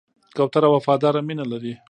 کوتره وفاداره مینه لري.